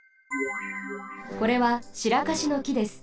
これはシラカシのきです。